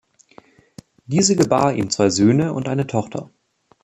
Diese gebar ihm zwei Söhne und eine Tochter.